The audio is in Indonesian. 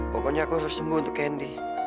pokoknya aku harus sembuh untuk kendi